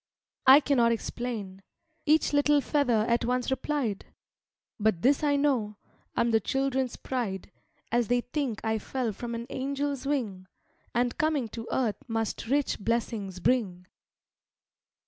"I cannot explain," Each little feather at once replied; "But this I know, I'm the children's pride, As they think I fell from an angel's wing, And coming to earth must rich blessings bring.